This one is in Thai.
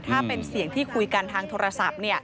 ถ้าเป็นเสียงที่คุยกันทางโทรศัพท์